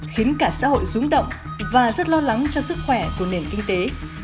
khiến cả xã hội rúng động và rất lo lắng cho sức khỏe của nền kinh tế